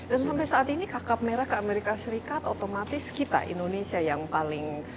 dan sampai saat ini kakak merah ke amerika serikat otomatis kita indonesia yang paling banyak